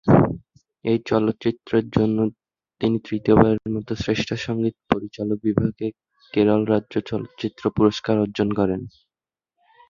এই চলচ্চিত্রের জন্য তিনি তৃতীয়বারের মত শ্রেষ্ঠ সঙ্গীত পরিচালক বিভাগে কেরল রাজ্য চলচ্চিত্র পুরস্কার অর্জন করেন।